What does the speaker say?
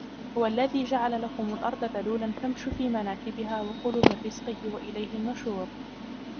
هُوَ الَّذِي جَعَلَ لَكُمُ الْأَرْضَ ذَلُولًا فَامْشُوا فِي مَنَاكِبِهَا وَكُلُوا مِنْ رِزْقِهِ وَإِلَيْهِ النُّشُورُ